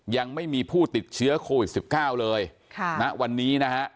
ยังไม่มีผู้ติดเชื้อโควิด๑๙เลยค่ะณวันนี้นะฮะ